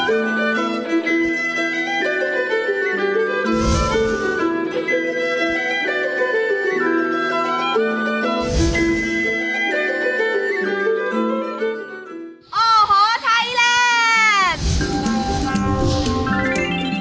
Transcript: โอ้โหไทยแลนด์